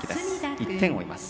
１点を追います。